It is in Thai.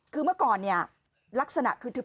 คือเมื่อก่อนลักษณะคือทึบ